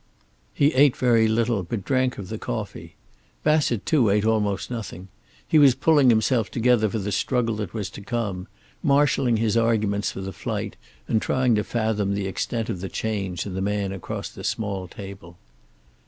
He ate very little, but drank of the coffee. Bassett too ate almost nothing. He was pulling himself together for the struggle that was to come, marshaling his arguments for flight, and trying to fathom the extent of the change in the man across the small table.